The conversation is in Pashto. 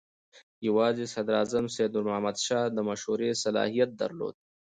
یوازې صدراعظم سید نور محمد شاه د مشورې صلاحیت درلود.